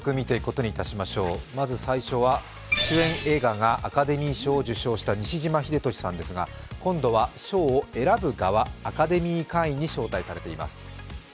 まず最初は、主演映画がアカデミー賞を受賞した西島秀俊さんですが今度は賞を選ぶ側、アカデミー会員に招待されています。